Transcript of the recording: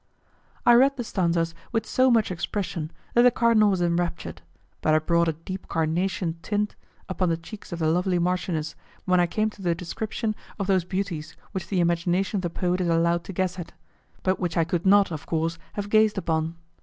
I read the stanzas with so much expression that the cardinal was enraptured, but I brought a deep carnation tint upon the cheeks of the lovely marchioness when I came to the description of those beauties which the imagination of the poet is allowed to guess at, but which I could not, of course, have gazed upon.